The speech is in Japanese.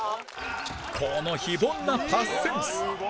この非凡なパスセンス！